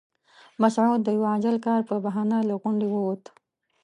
مسعود د یوه عاجل کار په بهانه له غونډې ووت.